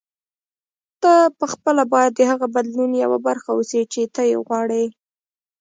ته پخپله باید د هغه بدلون یوه برخه اوسې چې ته یې غواړې.